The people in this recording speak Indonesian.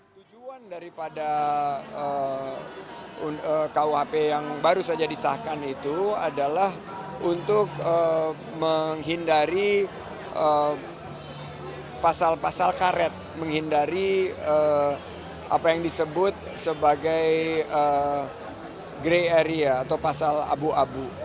tujuan daripada rkuhp yang baru saja disahkan itu adalah untuk menghindari pasal pasal karet menghindari apa yang disebut sebagai grey area atau pasal abu abu